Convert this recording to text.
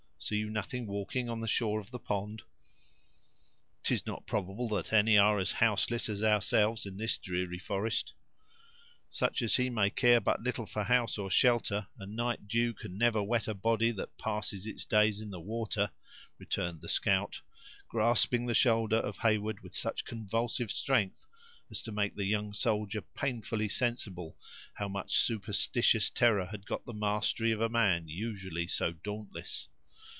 see you nothing walking on the shore of the pond?" "'Tis not probable that any are as houseless as ourselves in this dreary forest." "Such as he may care but little for house or shelter, and night dew can never wet a body that passes its days in the water," returned the scout, grasping the shoulder of Heyward with such convulsive strength as to make the young soldier painfully sensible how much superstitious terror had got the mastery of a man usually so dauntless.